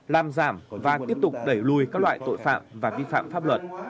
làm giảm và tiếp tục đẩy lùi các loại tội phạm và vi phạm pháp luật